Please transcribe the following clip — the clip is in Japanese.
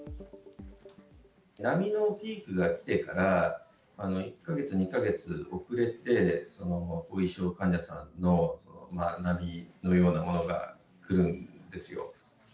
波のピークがきてから、１か月、２か月遅れて後遺症患者さんの波のようなものがくるんですよ。